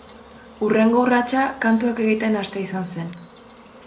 Hurrengo urratsa kantuak egiten hastea izan zen.